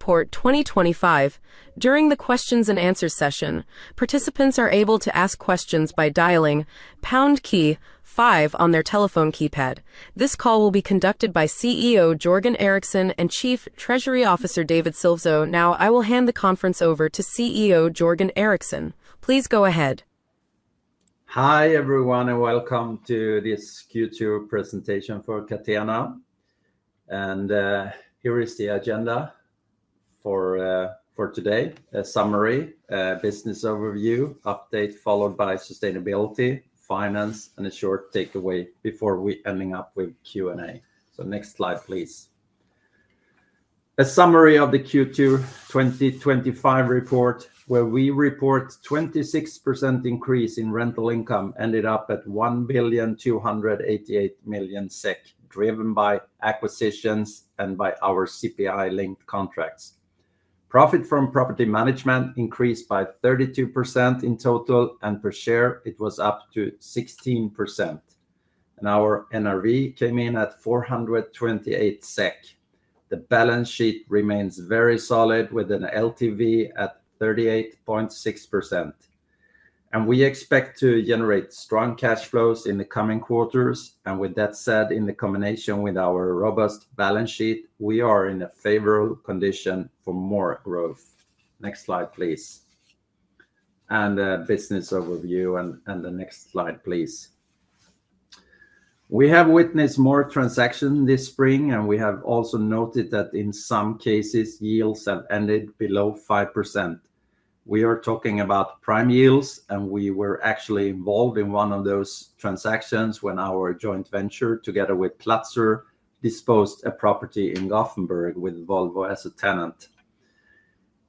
Report 2025. During the Q&A session, participants are able to ask questions by dialing #5 on their telephone keypad. This call will be conducted by CEO Jörgen Eriksson and Chief Treasury Officer David Silvesjö. Now, I will hand the conference over to CEO Jörgen Eriksson. Please go ahead. Hi everyone, and welcome to this Q2 presentation for Catena. Here is the agenda for today: a summary, a business overview, update followed by sustainability, finance, and a short takeaway before we end up with Q&A. Next slide, please. A summary of the Q2 2025 report, where we report a 26% increase in rental income ended up at 1,288,000,000 SEK, driven by acquisitions and by our CPI-linked contracts. Profit from property management increased by 32% in total, and per share it was +16%. Our NRV came in at 428 SEK. The balance sheet remains very solid, with an LTV at 38.6%. We expect to generate strong cash flows in the coming quarters. With that said, in combination with our robust balance sheet, we are in a favorable condition for more growth. Next slide, please. Business overview, and the next slide, please. We have witnessed more transactions this spring, and we have also noted that in some cases, yields have ended below 5%. We are talking about prime yields, and we were actually involved in one of those transactions when our joint venture, together with Platzer, disposed of a property in Gothenburg with Volvo as a tenant.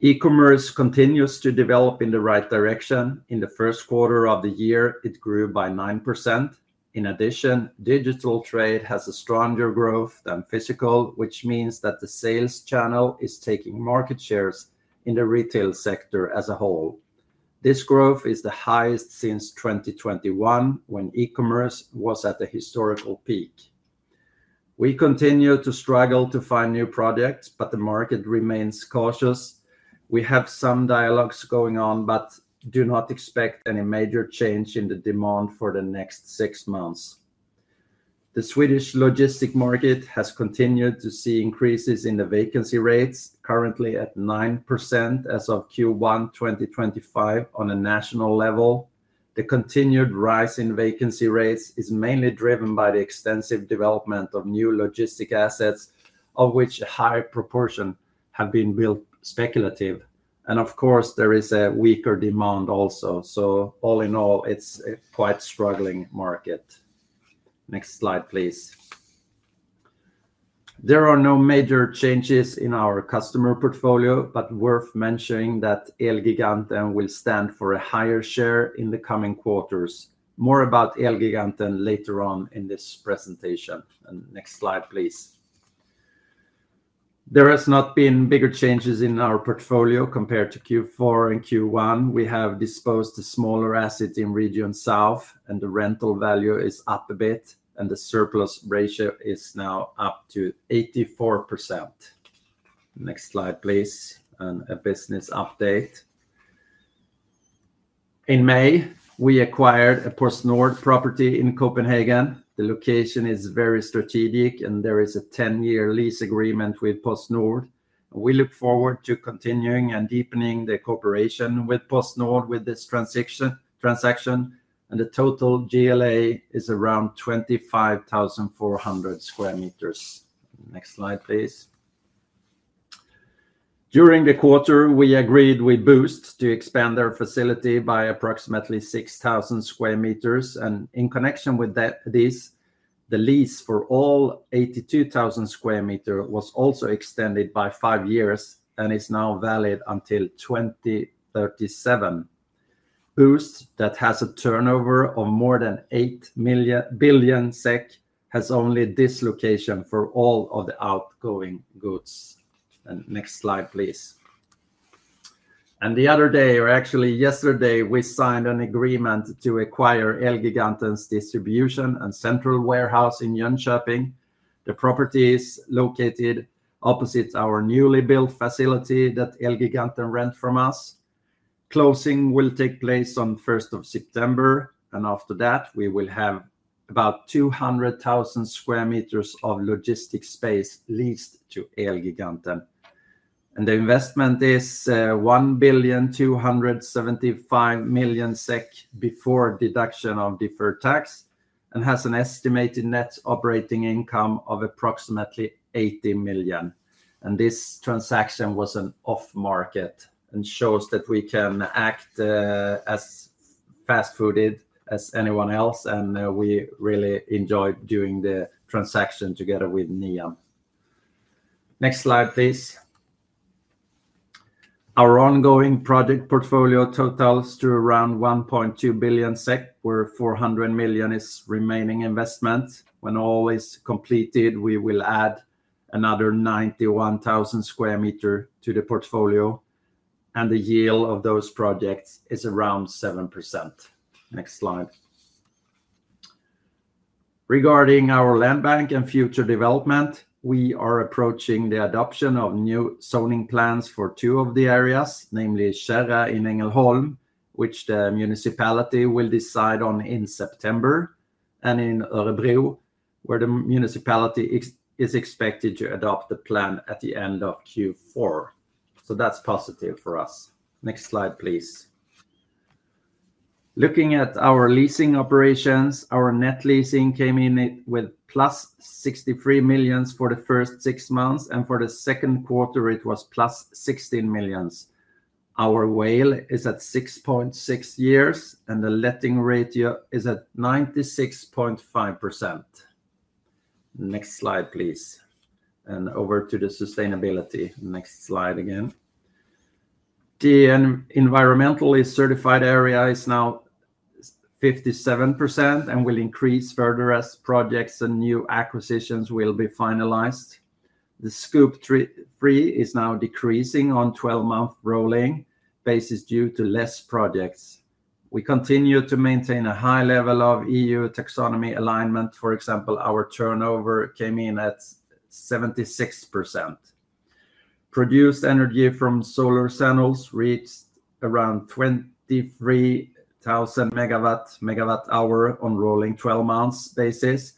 E-commerce continues to develop in the right direction. In the first quarter of the year, it grew by 9%. In addition, digital trade has a stronger growth than physical, which means that the sales channel is taking market shares in the retail sector as a whole. This growth is the highest since 2021, when e-commerce was at a historical peak. We continue to struggle to find new projects, but the market remains cautious. We have some dialogues going on, but do not expect any major change in the demand for the next six months. The Swedish logistics market has continued to see increases in the vacancy rates, currently at 9% as of Q1 2025. On a national level, the continued rise in vacancy rates is mainly driven by the extensive development of new logistics assets, of which a high proportion have been built speculative. Of course, there is a weaker demand also. All in all, it is a quite struggling market. Next slide, please. There are no major changes in our customer portfolio, but worth mentioning that Elgiganten will stand for a higher share in the coming quarters. More about Elgiganten later on in this presentation. Next slide, please. There have not been bigger changes in our portfolio compared to Q4 and Q1. We have disposed of smaller assets in Region South, and the rental value is up a bit, and the surplus ratio is now +84%. Next slide, please. A business update. In May, we acquired a PostNord property in Copenhagen. The location is very strategic, and there is a 10-year lease agreement with PostNord. We look forward to continuing and deepening the cooperation with PostNord with this transaction. The total GLA is around 25,400 sq m. Next slide, please. During the quarter, we agreed with Boozt to expand our facility by approximately 6,000 sq m. In connection with this, the lease for all 82,000 sq m was also extended by five years and is now valid until 2037. Boozt, that has a turnover of more than 8 billion SEK, has only this location for all of the outgoing goods. Next slide, please. The other day, or actually yesterday, we signed an agreement to acquire Elgiganten's distribution and central warehouse in Jönköping. The property is located opposite our newly built facility that Elgiganten rent from us. Closing will take place on 1 September, and after that, we will have about 200,000 sq m of logistics space leased to Elgiganten. The investment is 1,275,000,000 SEK before deduction of deferred tax, and has an estimated net operating income of approximately 80 million. This transaction was an off-market and shows that we can act as fast-footed as anyone else, and we really enjoy doing the transaction together with Niam. Next slide, please. Our ongoing project portfolio totals to around 1.2 billion SEK, where 400 million is remaining investment. When all is completed, we will add another 91,000 sq m to the portfolio, and the yield of those projects is around 7%. Next slide. Regarding our land bank and future development, we are approaching the adoption of new zoning plans for two of the areas, namely Kära in Ängelholm, which the municipality will decide on in September, and in Örebro, where the municipality is expected to adopt the plan at the end of Q4. That is positive for us. Next slide, please. Looking at our leasing operations, our net leasing came in with plus 63 million for the first six months, and for the second quarter, it was plus 16 million. Our WAULT is at 6.6 years, and the letting ratio is at 96.5%. Next slide, please. Over to the sustainability. Next slide again. The environmentally certified area is now 57% and will increase further as projects and new acquisitions will be finalized. The Scope three is now decreasing on a 12-month rolling basis due to fewer projects. We continue to maintain a high level of EU taxonomy alignment. For example, our turnover came in at 76%. Produced energy from solar [panels] reached around 23,000 MW-hour on a rolling 12-month basis.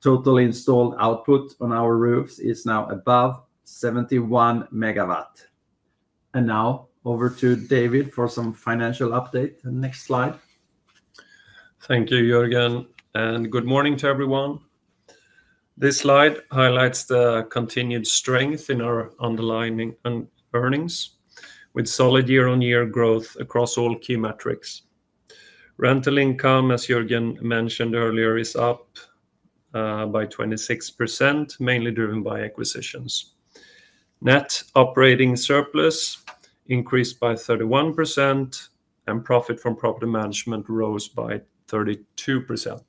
Total installed output on our roofs is now above 71 MW. Now over to David for some financial update. Next slide. Thank you, Jörgen. Good morning to everyone. This slide highlights the continued strength in our underlying earnings, with solid year-on-year growth across all key metrics. Rental income, as Jörgen mentioned earlier, is +26%, mainly driven by acquisitions. Net operating surplus increased by 31%, and profit from property management rose by 32%,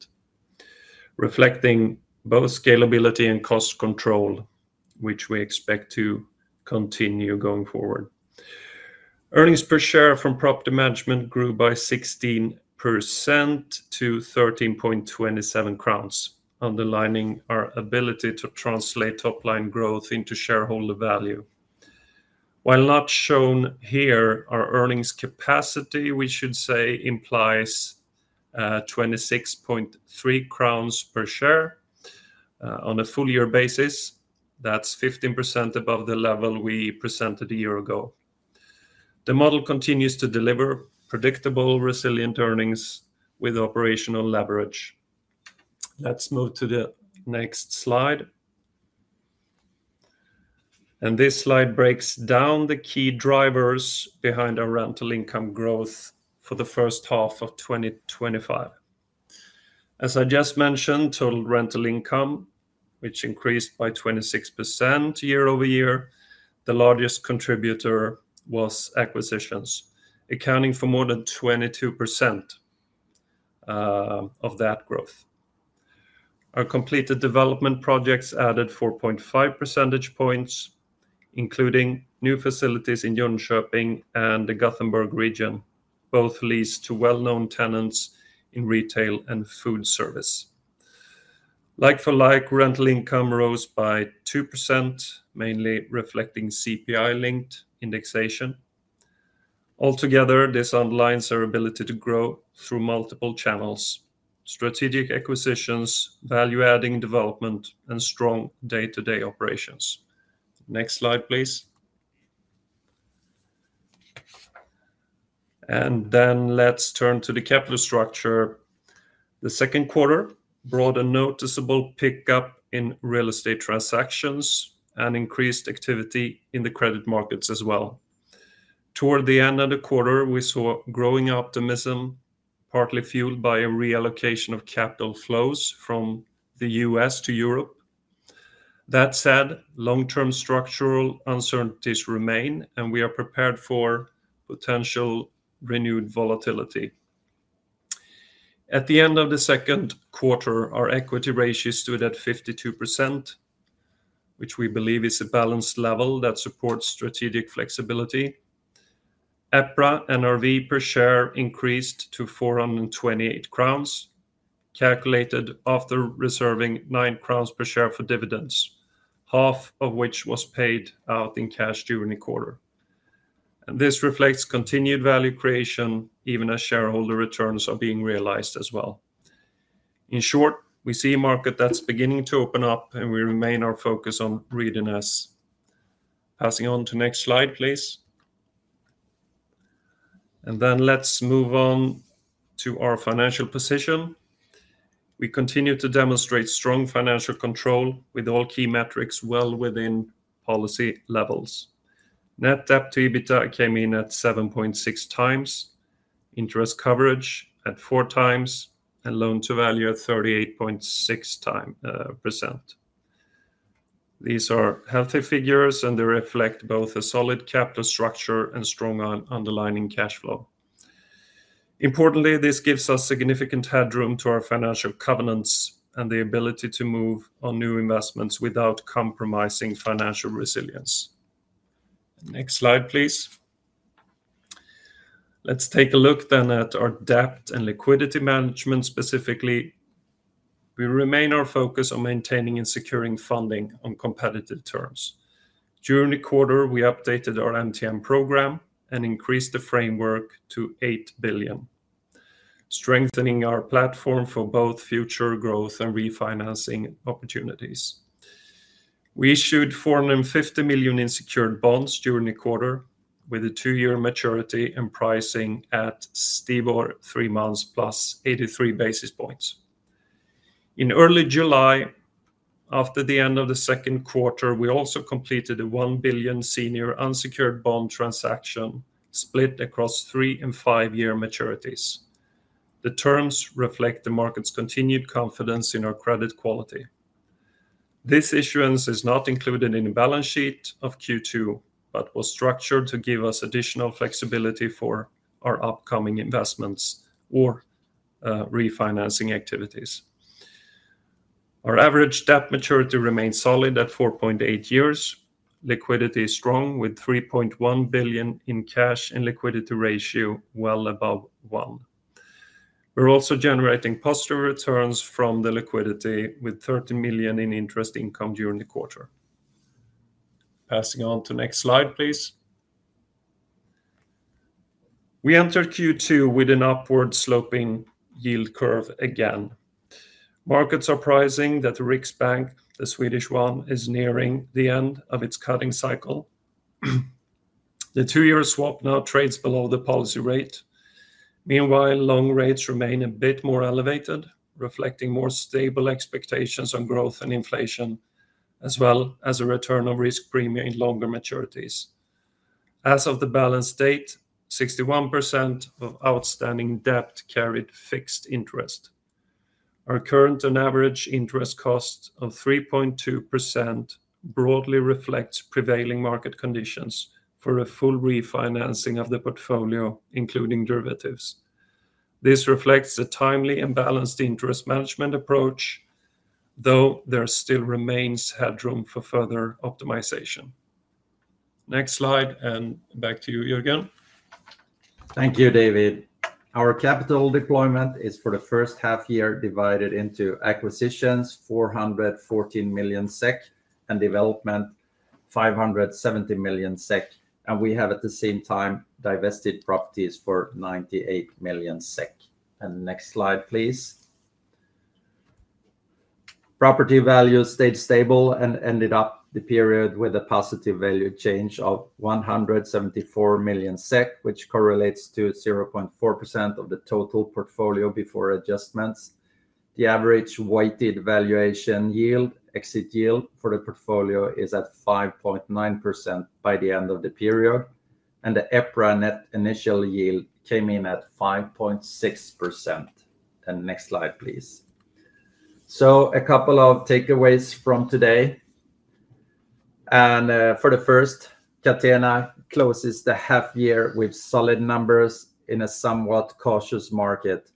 reflecting both scalability and cost control, which we expect to continue going forward. Earnings per share from property management grew by 16% to 13.27 crowns, underlining our ability to translate top-line growth into shareholder value. While not shown here, our earnings capacity, we should say, implies 26.3 crowns per share on a full-year basis. That is 15% above the level we presented a year ago. The model continues to deliver predictable, resilient earnings with operational leverage. Let's move to the next slide. This slide breaks down the key drivers behind our rental income growth for the first half of 2025. As I just mentioned, total rental income, which increased by 26% year over year, the largest contributor was acquisitions, accounting for more than 22% of that growth. Our completed development projects added 4.5 percentage points, including new facilities in Jönköping and the Gothenburg region, both leased to well-known tenants in retail and food service. Like for like, rental income rose by 2%, mainly reflecting CPI-linked indexation. Altogether, this underlines our ability to grow through multiple channels: strategic acquisitions, value-adding development, and strong day-to-day operations. Next slide, please. Let's turn to the capital structure. The second quarter brought a noticeable pickup in real estate transactions and increased activity in the credit markets as well. Toward the end of the quarter, we saw growing optimism, partly fueled by a reallocation of capital flows from the U.S. to Europe. That said, long-term structural uncertainties remain, and we are prepared for potential renewed volatility. At the end of the second quarter, our equity ratio stood at 52%, which we believe is a balanced level that supports strategic flexibility. EPRA NRV per share increased to 428 crowns, calculated after reserving 9 crowns per share for dividends, half of which was paid out in cash during the quarter. This reflects continued value creation, even as shareholder returns are being realized as well. In short, we see a market that's beginning to open up, and we remain our focus on readiness. Passing on to the next slide, please. Let's move on to our financial position. We continue to demonstrate strong financial control with all key metrics well within policy levels. Net debt to EBITDA came in at 7.6 times, interest coverage at four times, and loan-to-value at 38.6%. These are healthy figures, and they reflect both a solid capital structure and strong underlying cash flow. Importantly, this gives us significant headroom to our financial covenants and the ability to move on new investments without compromising financial resilience. Next slide, please. Let's take a look then at our debt and liquidity management specifically. We remain our focus on maintaining and securing funding on competitive terms. During the quarter, we updated our MTN program and increased the framework to 8 billion, strengthening our platform for both future growth and refinancing opportunities. We issued 450 million in secured bonds during the quarter, with a two-year maturity and pricing at STIBOR three months plus 83 basis points. In early July, after the end of the second quarter, we also completed a 1 billion senior unsecured bond transaction split across three- and five-year maturities. The terms reflect the market's continued confidence in our credit quality. This issuance is not included in the balance sheet of Q2, but was structured to give us additional flexibility for our upcoming investments or refinancing activities. Our average debt maturity remains solid at 4.8 years. Liquidity is strong with 3.1 billion in cash and liquidity ratio well above one. We're also generating positive returns from the liquidity with 30 million in interest income during the quarter. Passing on to the next slide, please. We entered Q2 with an upward-sloping yield curve again. Markets are pricing that the Riksbank, the Swedish one, is nearing the end of its cutting cycle. The two-year swap now trades below the policy rate. Meanwhile, long rates remain a bit more elevated, reflecting more stable expectations on growth and inflation, as well as a return on risk premium in longer maturities. As of the balance date, 61% of outstanding debt carried fixed interest. Our current and average interest cost of 3.2% broadly reflects prevailing market conditions for a full refinancing of the portfolio, including derivatives. This reflects a timely and balanced interest management approach, though there still remains headroom for further optimization. Next slide, and back to you, Jörgen. Thank you, David. Our capital deployment is for the first half year divided into acquisitions, 414 million SEK, and development, 570 million SEK. We have at the same time divested properties for 98 million SEK. Next slide, please. Property values stayed stable and ended up the period with a positive value change of 174 million SEK, which correlates to 0.4% of the total portfolio before adjustments. The average weighted valuation yield, exit yield for the portfolio, is at 5.9% by the end of the period, and the EPRA Net Initial Yield came in at 5.6%. Next slide, please. A couple of takeaways from today. For the first, Catena closes the half year with solid numbers in a somewhat cautious market.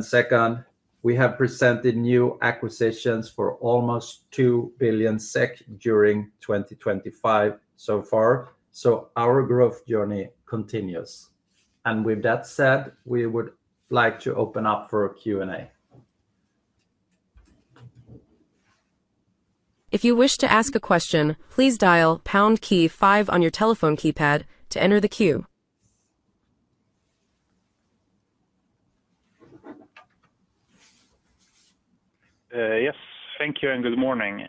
Second, we have presented new acquisitions for almost 2 billion SEK during 2025 so far, so our growth journey continues. With that said, we would like to open up for a Q&A. If you wish to ask a question, please dial #5 on your telephone keypad to enter the queue. Yes, thank you and good morning.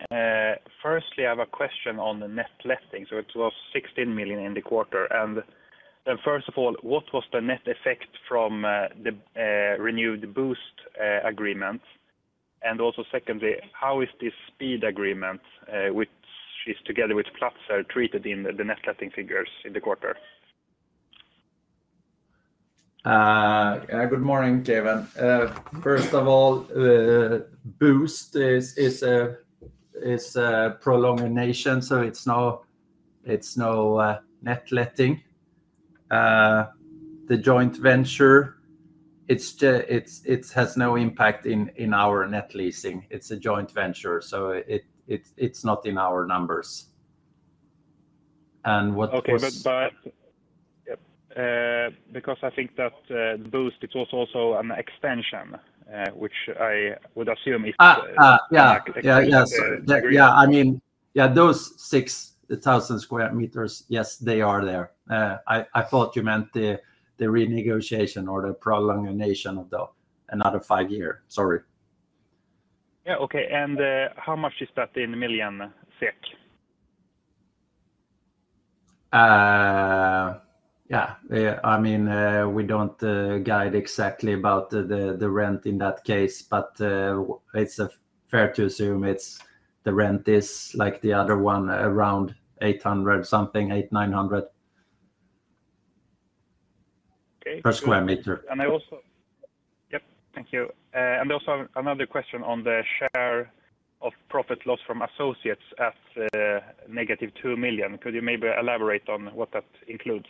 Firstly, I have a question on the net letting. It was 16 million in the quarter. Firstly, what was the net effect from the renewed Boozt agreement? Also, how is this Speed agreement, which is together with Platzer, treated in the net letting figures in the quarter? Good morning, David. First of all, Boozt is a prolonged nation, so it's no net letting. The joint venture, it has no impact in our net leasing. It's a joint venture, so it's not in our numbers. What was. Okay, but yep, because I think that the Boozt, it was also an extension. Which I would assume if. Yeah, yeah, yeah, I mean, yeah, those 6,000 sq m, yes, they are there. I thought you meant the renegotiation or the prolongation of another five years. Sorry. Yeah, okay. How much is that in million SEK? Yeah, I mean, we don't guide exactly about the rent in that case, but it's fair to assume the rent is like the other one, around 800-something, eight, nine hundred, per square meter. I also, yep, thank you. Also, another question on the share of profit loss from associates at negative -2 million. Could you maybe elaborate on what that includes?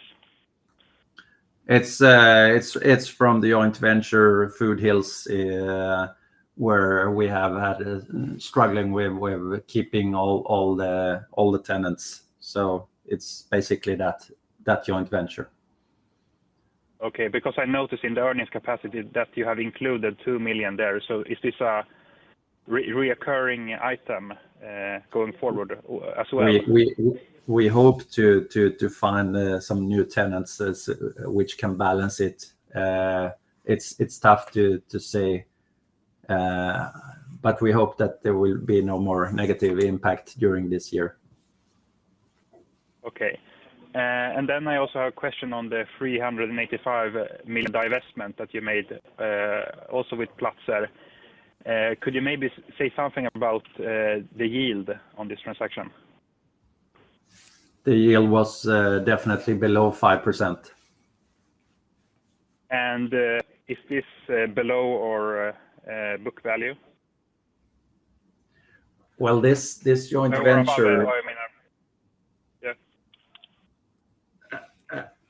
It's from the joint venture Foodhills, where we have had struggling with keeping all the tenants. So it's basically that joint venture. Okay, because I noticed in the earnings capacity that you have included 2 million there. Is this a recurring item going forward as well? We hope to find some new tenants which can balance it. It's tough to say, but we hope that there will be no more negative impact during this year. Okay. I also have a question on the 385 million divestment that you made also with Platzer. Could you maybe say something about the yield on this transaction? The yield was definitely below 5%. Is this below or book value? This joint venture.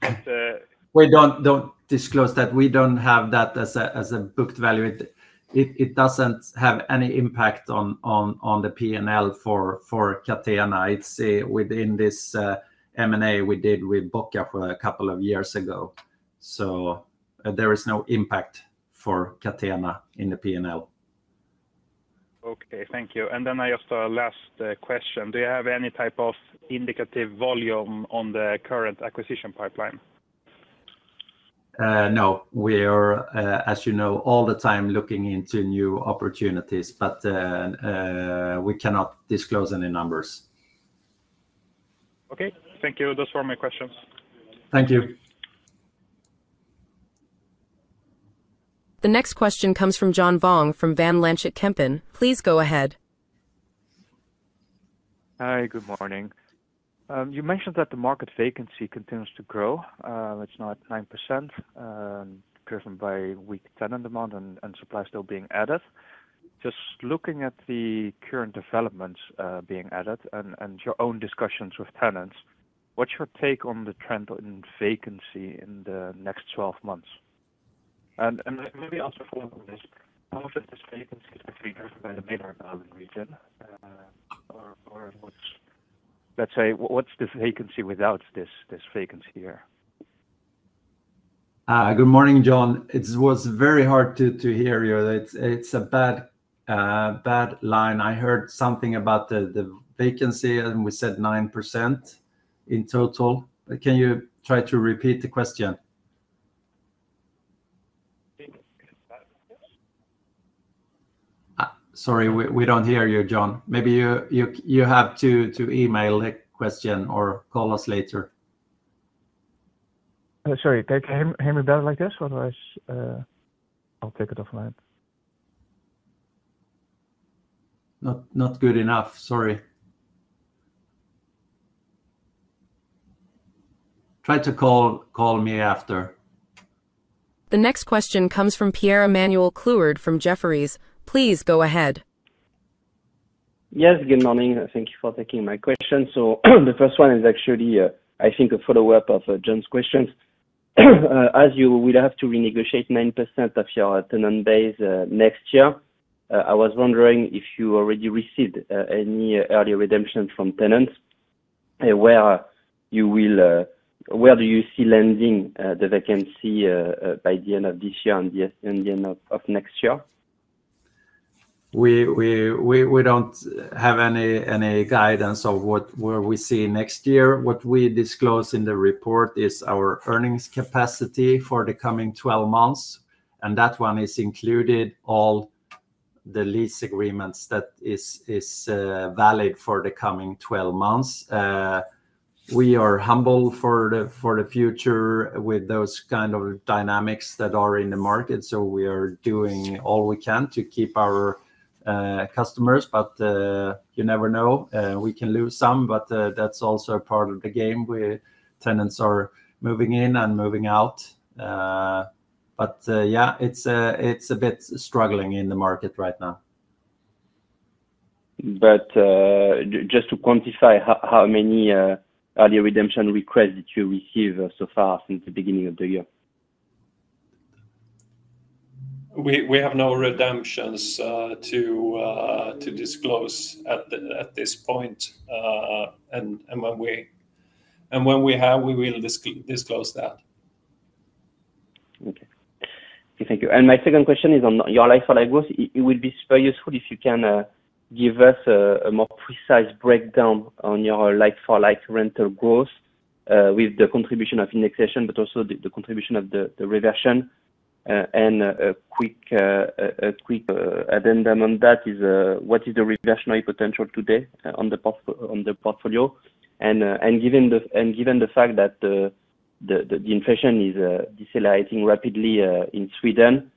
Yeah. We don't disclose that. We don't have that as a booked value. It doesn't have any impact on the P&L for Catena. It's within this M&A we did with Bocka a couple of years ago. There is no impact for Catena in the P&L. Okay, thank you. I have a last question. Do you have any type of indicative volume on the current acquisition pipeline? No, we are, as you know, all the time looking into new opportunities, but we cannot disclose any numbers. Okay, thank you. Those were my questions. Thank you. The next question comes from Jon Vong from Van Lanschot Kempen. Please go ahead. Hi, good morning. You mentioned that the market vacancy continues to grow. It's now at 9%, driven by weak tenant demand and supply still being added. Just looking at the current developments being added and your own discussions with tenants, what's your take on the trend in vacancy in the next 12 months? Maybe I'll just follow up on this. How much of this vacancy is [actually driven by the Mälardalen] region? Or let's say, what's the vacancy without this vacancy here? Good morning, Jon. It was very hard to hear you. It's a bad line. I heard something about the vacancy, and we said 9% in total. Can you try to repeat the question? Sorry, we don't hear you, Jon. Maybe you have to email the question or call us later. Sorry, can you hear me better like this? Otherwise, I'll take it offline. Not good enough, sorry. Try to call me after. The next question comes from Pierre-Emanuel Clouard from Jefferies. Please go ahead. Yes, good morning. Thank you for taking my question. The first one is actually, I think, a follow-up of Jon's questions. As you will have to renegotiate 9% of your tenant base next year, I was wondering if you already received any early redemption from tenants? Where do you see landing the vacancy by the end of this year and the end of next year? We don't have any guidance of where we see next year. What we disclose in the report is our earnings capacity for the coming 12 months. And that one is included in all the lease agreements that are valid for the coming 12 months. We are humble for the future with those kinds of dynamics that are in the market. We are doing all we can to keep our customers, but you never know. We can lose some, but that's also part of the game. Tenants are moving in and moving out. Yeah, it's a bit struggling in the market right now. Just to quantify, how many early redemption requests did you receive so far since the beginning of the year? We have no redemptions to disclose at this point. When we have, we will disclose that. Okay. Thank you. My second question is on your like-for-like growth. It would be super useful if you can give us a more precise breakdown on your like-for-like rental growth with the contribution of indexation, but also the contribution of the reversion. A quick addendum on that is, what is the reversionary potential today on the portfolio? Given the fact that the inflation is decelerating rapidly in Sweden,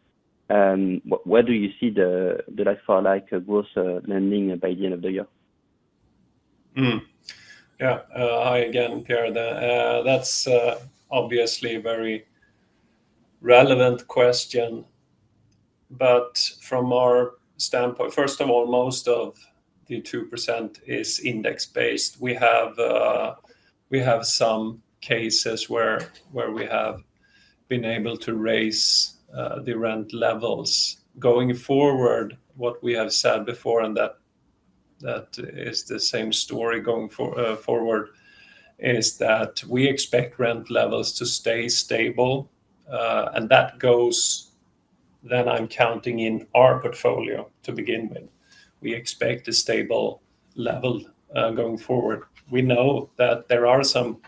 where do you see the like-for-like growth landing by the end of the year? Yeah, hi again, Pierre. That's obviously a very relevant question. From our standpoint, first of all, most of the 2% is index-based. We have some cases where we have been able to raise the rent levels. Going forward, what we have said before, and that is the same story going forward, is that we expect rent levels to stay stable. That goes, then I'm counting in our portfolio to begin with. We expect a stable level going forward. We know that there are some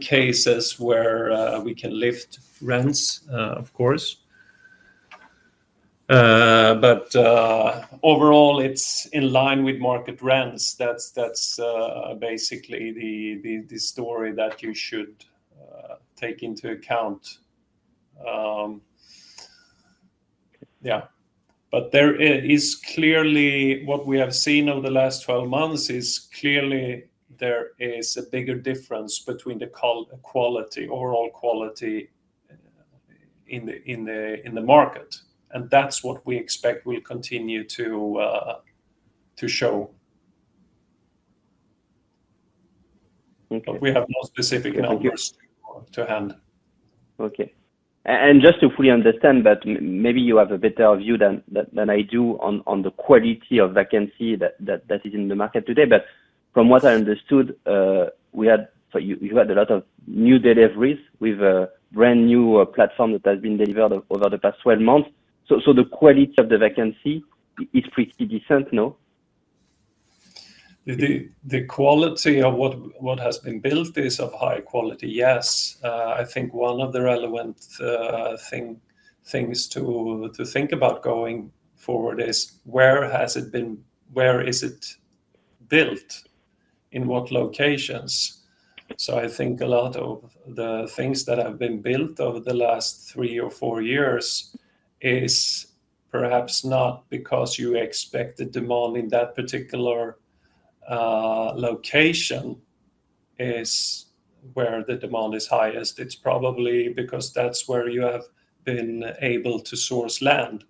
cases where we can lift rents, of course. Overall, it's in line with market rents. That's basically the story that you should take into account. Yeah. There is clearly, what we have seen over the last 12 months is clearly there is a bigger difference between the quality, overall quality in the market. That's what we expect will continue to show. We have no specific numbers to hand. Okay. Just to fully understand that, maybe you have a better view than I do on the quality of vacancy that is in the market today. From what I understood, you had a lot of new deliveries with a brand new platform that has been delivered over the past 12 months. The quality of the vacancy is pretty decent, no? The quality of what has been built is of high quality, yes. I think one of the relevant things to think about going forward is where has it been, where is it built, in what locations? I think a lot of the things that have been built over the last three or four years is perhaps not because you expect the demand in that particular location is where the demand is highest. It's probably because that's where you have been able to source land.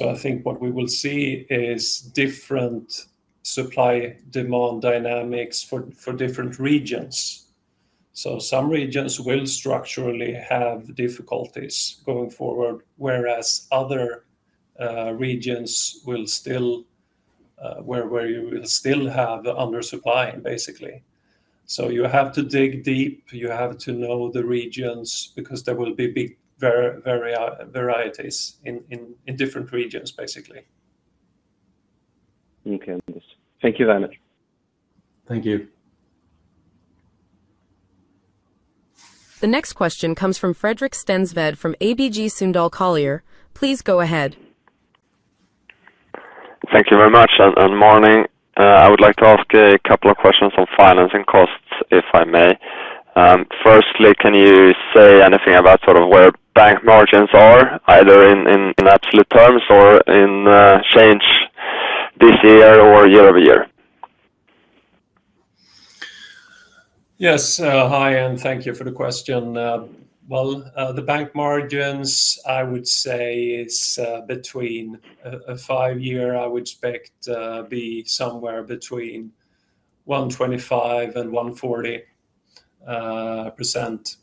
I think what we will see is different supply-demand dynamics for different regions. Some regions will structurally have difficulties going forward, whereas other regions will still, where you will still have undersupply, basically. You have to dig deep. You have to know the regions because there will be varieties in different regions, basically. Okay, thank you very much. Thank you. The next question comes from Fredrik Stensved from ABG Sundal Collier. Please go ahead. Thank you very much. Good morning. I would like to ask a couple of questions on financing costs, if I may. Firstly, can you say anything about sort of where bank margins are, either in absolute terms or in change this year or year over year? Yes, hi, and thank you for the question. The bank margins, I would say it's between five years, I would expect to be somewhere between 125%-140%.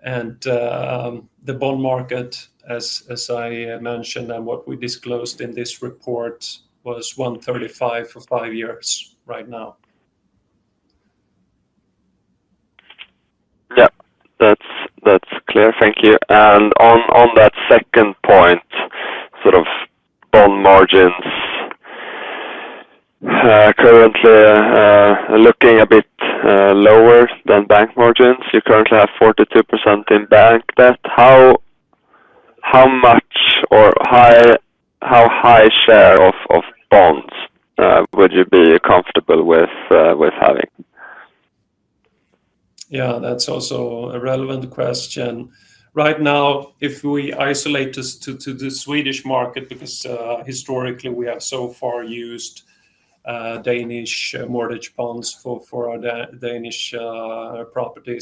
The bond market, as I mentioned, and what we disclosed in this report was 135% for five years right now. Yeah, that's clear. Thank you. On that second point, sort of bond margins currently looking a bit lower than bank margins. You currently have 42% in bank debt. How much or how high share of bonds would you be comfortable with having? Yeah, that's also a relevant question. Right now, if we isolate to the Swedish market, because historically we have so far used Danish mortgage bonds for our Danish property.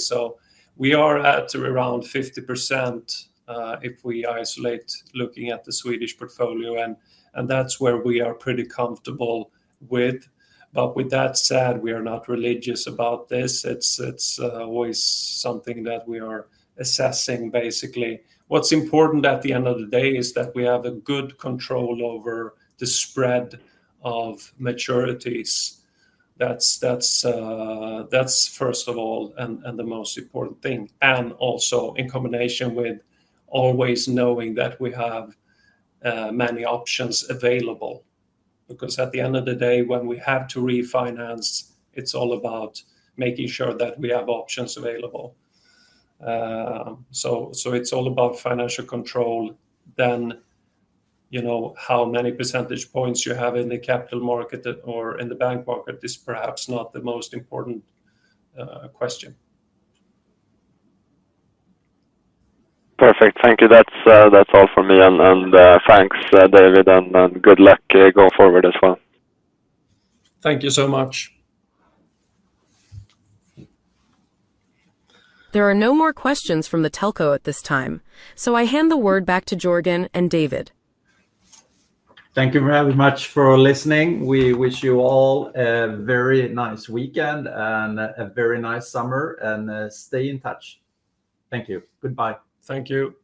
We are at around 50% if we isolate looking at the Swedish portfolio. That's where we are pretty comfortable with. With that said, we are not religious about this. It's always something that we are assessing, basically. What's important at the end of the day is that we have good control over the spread of maturities. That's, first of all, and the most important thing. Also in combination with always knowing that we have many options available. At the end of the day, when we have to refinance, it's all about making sure that we have options available. It's all about financial control. How many percentage points you have in the capital market or in the bank market is perhaps not the most important question. Perfect. Thank you. That's all from me. Thank you, David, and good luck going forward as well. Thank you so much. There are no more questions from the telco at this time. So I hand the word back to Jörgen and David. Thank you very much for listening. We wish you all a very nice weekend and a very nice summer. Stay in touch. Thank you. Goodbye. Thank you.